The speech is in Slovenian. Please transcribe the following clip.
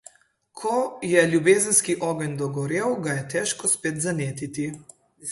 Ko je ljubezenski ogenj dogorel, ga je težko spet zanetiti.